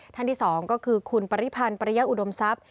ท่านที่๒ก็คือคุณปริพันธ์ปริยะอุดมทรัพย์